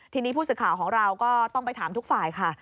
ทีนี้ผู้สื่อข่าวของเราก็ต้องไปถามทุกฝ่ายค่ะ